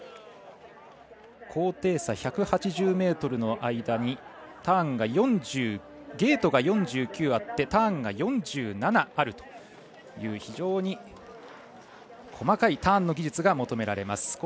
高低差１８０ｍの間にゲートが４９あってターンが４７あるという非常に細かいターンの技術が求められます。